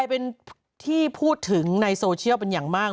เป็นที่พูดถึงในโซเชียลเป็นอย่างมาก